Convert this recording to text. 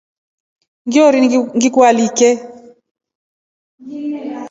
Ngiori ngikualike.